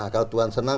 kalau tuhan senang